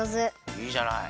いいじゃない。